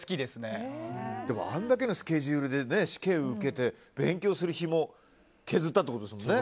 あれだけのスケジュールで試験を受けて勉強する日も削ったってことですもんね。